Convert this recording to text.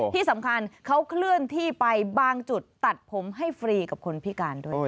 ที่สำคัญเขาเคลื่อนที่ไปบางจุดตัดผมให้ฟรีกับคนพิการด้วย